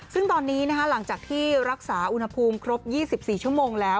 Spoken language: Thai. ซึ่งตอนนี้หลังจากที่รักษาอุณหภูมิครบ๒๔ชั่วโมงแล้ว